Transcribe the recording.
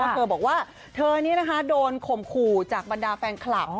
เธอบอกว่าเธอนี้นะคะโดนข่มขู่จากบรรดาแฟนคลับ